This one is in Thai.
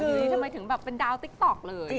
ทำไมถึงแบบเป็นดาวติ๊กต๊อกเลย